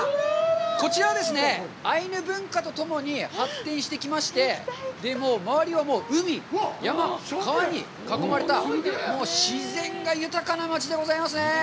こちらはですね、アイヌ文化と共に発展してきまして、周りはもう海、山、川に囲まれた、自然が豊かな町でございますね。